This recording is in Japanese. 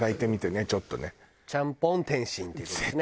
ちゃんぽん天津って事ですね。